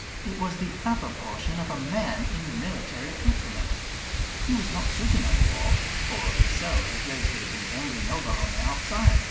It was the upper portion of a man in military accoutrements. He was not sitting on the wall, for, if so, his legs would have been dangling over on the outside.